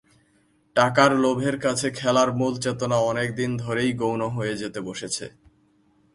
টাকার লোভের কাছে খেলার মূল চেতনা অনেক দিন ধরেই গৌণ হয়ে যেতে বসেছে।